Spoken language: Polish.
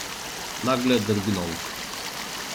Nagle drgnął.